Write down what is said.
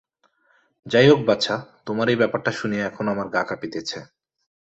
যাই হোক বাছা, তোমার এই ব্যাপারটা শুনিয়া এখনো আমার গা কাঁপিতেছে।